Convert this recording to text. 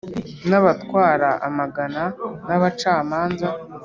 n’abatwara amagana, n’abacamanza”,